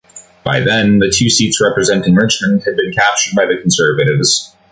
By then, the two seats representing Richmond had been captured by the Conservatives.